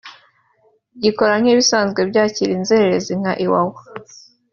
gikora nk’ibisanzwe byakira inzererezi nka Iwawa